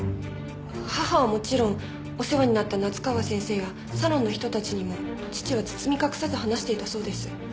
母はもちろんお世話になった夏河先生やサロンの人たちにも父は包み隠さず話していたそうです。